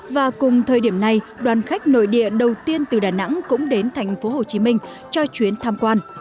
và cùng thời điểm này đoàn khách nội địa đầu tiên từ đà nẵng cũng đến thành phố hồ chí minh cho chuyến tham quan